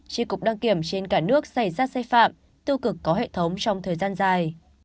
chỉ cục đăng kiểm trên cả nước xây xác xây phạm tư cực có hệ thống trong thời gian dài